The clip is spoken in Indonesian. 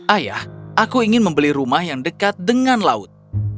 ayah aku ingin membeli rumah yang dekat dengan laut